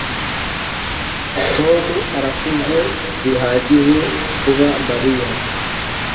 Tom arakuze bihagije kuba Mariya